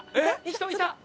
人いた！